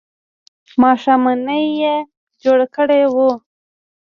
ماښامنۍ یې جوړه کړې وه.